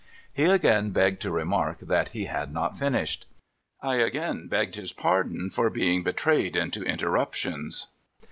He again begged to remark that he had not finished. I again begged his pardon for being betrayed into interruptions.